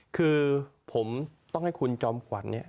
คือผมต้องให้คุณจอมขวัญเนี่ย